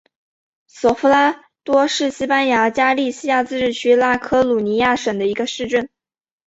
索夫拉多是西班牙加利西亚自治区拉科鲁尼亚省的一个市镇。